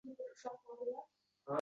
Axir, siz… hazratim… qul emas, beksiz…